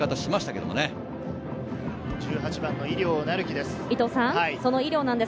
１８番の井料成輝です。